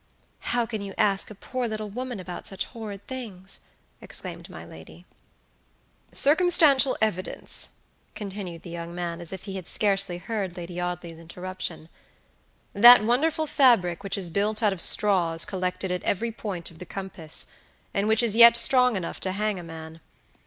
"How can you ask a poor little woman about such horrid things?" exclaimed my lady. "Circumstantial evidence," continued the young man, as if he scarcely heard Lady Audley's interruption"that wonderful fabric which is built out of straws collected at every point of the compass, and which is yet strong enough to hang a man.